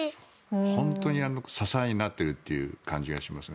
本当に支えになっている感じがしますね。